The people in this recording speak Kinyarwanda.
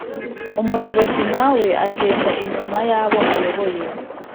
Umuyobozi nyawe agenda inyuma yabo ayoboye